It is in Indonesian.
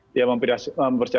dia mempersiapkan semuanya